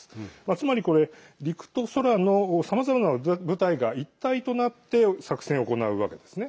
つまり陸と空のさまざまな部隊が一体となって作戦を行うわけですね。